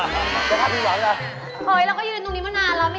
แล้วก็ยืนตรงนี้มานานแล้ว